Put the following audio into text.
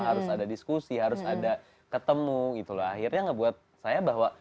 harus ada diskusi harus ada ketemu gitu loh akhirnya ngebuat saya bahwa